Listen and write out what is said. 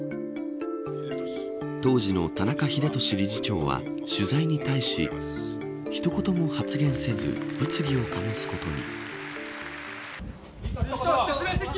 当時の田中英寿理事長は取材に対し、一言も発言せず物議を醸すことに。